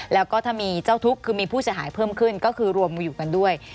แล้วก็ถ้ามีเจ้าทุกข์คือมีผู้เสียหายเพิ่มขึ้นก็คือรวมอยู่กันด้วย